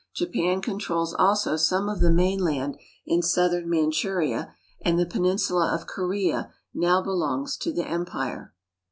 Japan controls also some of the mainland in southern Manchuria, and the peninsula of Korea now belongs to the empire.